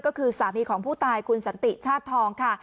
ก็คือสามีของผู้ตายคุณสันติชาติทองค่ะ